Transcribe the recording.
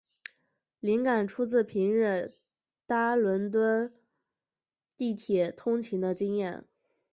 灵感出自平日搭伦敦地铁通勤的经验。